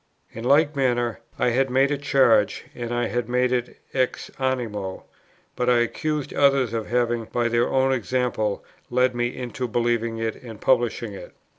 In like manner I had made a charge, and I had made it ex animo; but I accused others of having, by their own example, led me into believing it and publishing it.